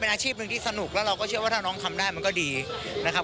อาชีพหนึ่งที่สนุกแล้วเราก็เชื่อว่าถ้าน้องทำได้มันก็ดีนะครับ